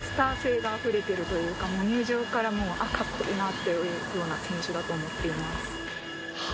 スター性があふれてるというか入場からもうあっ格好いいなっていうような選手だと思っています。